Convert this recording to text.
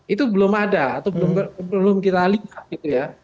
itu belum ada atau belum kita lihat gitu ya